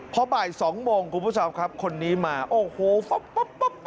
เพราะบ่าย๒โมงคุณผู้ชมครับคนนี้มาโอ้โฮป๊อบป๊อบป๊อบ